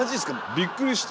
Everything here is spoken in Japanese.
びっくりして。